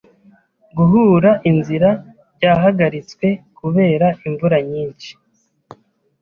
Guhura inzira byahagaritswe kubera imvura nyinshi.